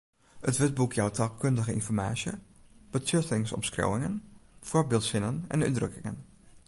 It wurdboek jout taalkundige ynformaasje, betsjuttingsomskriuwingen, foarbyldsinnen en útdrukkingen.